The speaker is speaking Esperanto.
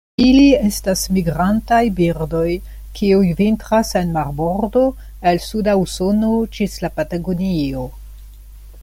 Ili estas migrantaj birdoj kiuj vintras en marbordo el suda Usono ĝis la Patagonio.